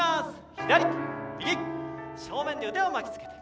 左、右、正面で腕を巻きつけて。